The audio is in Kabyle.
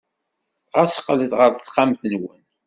Ɣas qqlet ɣer texxamt-nwen.